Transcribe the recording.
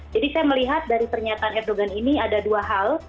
jadi saya melihat dari pernyataan erdogan ini ada dua hal